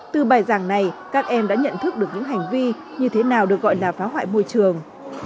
từ bài giảng này các em đã nhận thức được những hành vi như thế nào được gọi là phá hoại môi trường